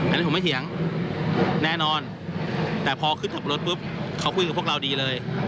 อันนี้ผมไม่เถียงแน่นอนแต่พอขึ้นขับรถปุ๊บเขาคุยกับพวกเราดีเลย